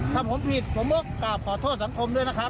ถ้าผมผิดผมก็กราบขอโทษสังคมด้วยนะครับ